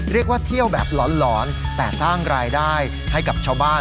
เรียกว่าเที่ยวแบบหลอนแต่สร้างรายได้ให้กับชาวบ้าน